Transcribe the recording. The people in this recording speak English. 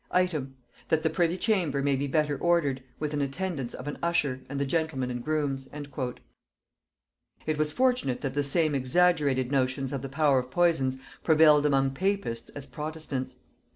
"Item. That the privy chamber may be better ordered, with an attendance of an usher, and the gentlemen and grooms." [Note 48: "Burleigh Papers" by Haynes, p. 368.] It was fortunate that the same exaggerated notions of the power of poisons prevailed amongst papists as protestants.